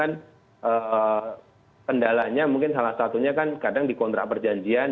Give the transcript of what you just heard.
kadang kadang kan pendalanya mungkin salah satunya kan kadang dikontrak perjanjian